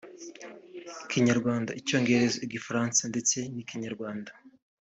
Ikinyarwanda-Icyongereza-Igifaransa ndetse n’Ikinyarwanda